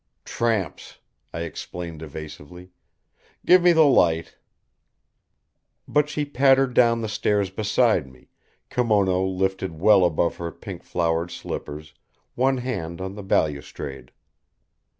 "Tramps," I explained evasively. "Give me the light." But she pattered down the stairs beside me, kimono lifted well above her pink flowered slippers, one hand on the balustrade.